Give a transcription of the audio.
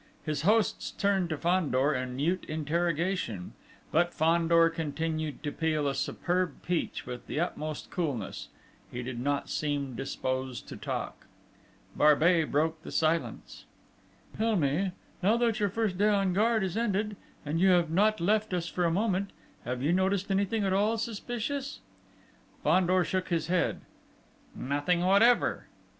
His hosts turned to Fandor in mute interrogation.... But Fandor continued to peel a superb peach with the utmost coolness: he did not seem disposed to talk. Barbey broke the silence. "Tell me, now that your first day on guard is ended, and you have not left us for a moment have you noticed anything at all suspicious?" Fandor shook his head. "Nothing whatever."